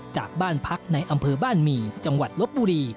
จากบ้านพักในอำเภอบ้านหมี่จังหวัดลบบุรี